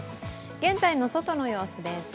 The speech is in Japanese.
現在の外の様子です。